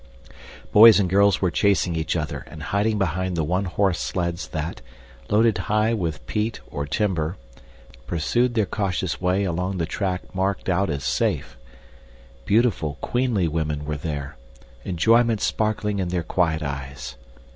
Boys and girls were chasing each other and hiding behind the one horse sleds that, loaded high with peat or timber, pursued their cautious way along the track marked out as "safe." Beautiful, queenly women were there, enjoyment sparkling in their quiet eyes.